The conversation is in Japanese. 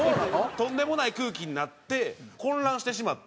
とんでもない空気になって混乱してしまって。